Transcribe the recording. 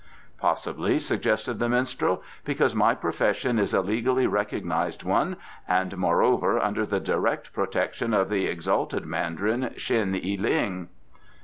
"Possibly," suggested the minstrel, "because my profession is a legally recognized one, and, moreover, under the direct protection of the exalted Mandarin Shen y ling."